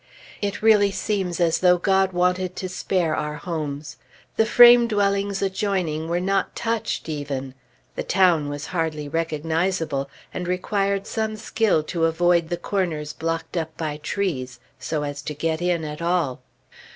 It really seems as though God wanted to spare our homes. The frame dwellings adjoining were not touched, even. The town was hardly recognizable; and required some skill to avoid the corners blocked up by trees, so as to get in at all.